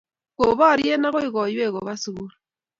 koporie akoi koiywei kopa sukul